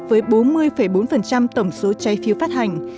với bốn mươi bốn tổng số trái phiếu phát hành